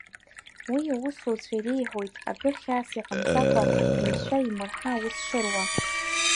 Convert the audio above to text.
Уи иусуцәа иреиҳәоит акы хьаас иҟамҵакәа, имшәа-имырҳа аус шыруа.